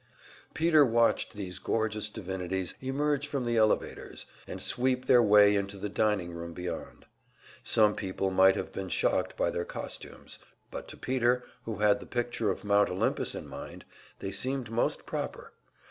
Peter watched these gorgeous divinities emerge from the elevators, and sweep their way into the dining room beyond. Some people might have been shocked by their costumes; but to Peter, who had the picture of Mount Olympus in mind, they seemed most proper.